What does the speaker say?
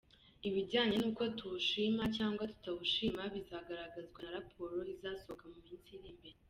Ibijyanye n’uko tuwushima cyangwa tutawushima , bizagaragazwa na raporo izasohoka mu minsi iri imbere.